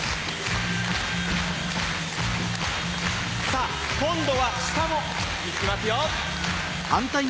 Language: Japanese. さぁ今度は下も行きますよ。